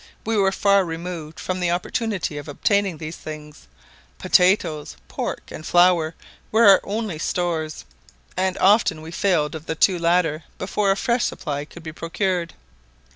we were far removed from the opportunity of obtaining these things: potatoes, pork, and flour were our only stores, and often we failed of the two latter before a fresh supply could be procured.